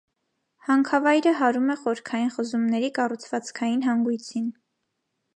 Հանքավայրը հարում է խորքային խզումների կառուցվածքային հանգույցին։